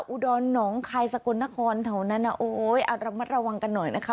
อุดอนหนองคายสกลนครเท่านั้นอ่ะโอ้ยเอาระมัดระวังกันหน่อยนะคะ